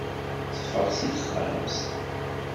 Teffeɣ seg texxamt.